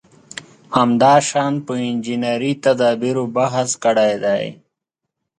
همداشان په انجنیري تدابېرو بحث کړی دی.